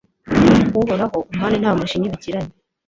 Uhoraho umpane nta mujinya ubigiranye